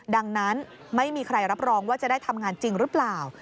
ดังนั้นไม่มีใครรับรองว่าจะได้ทำงานจริงหรือเปล่า